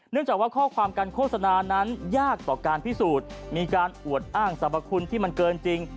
จากว่าข้อความการโฆษณานั้นยากต่อการพิสูจน์มีการอวดอ้างสรรพคุณที่มันเกินจริง